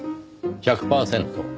１００パーセント。